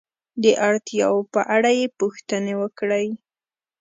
د اړتیاو په اړه یې پوښتنې وکړئ.